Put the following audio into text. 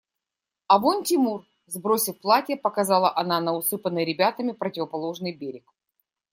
А вон Тимур! – сбросив платье, показала она на усыпанный ребятами противоположный берег.